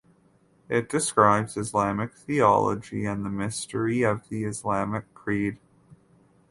It describes Islamic theology and the mystery of the Islamic creed.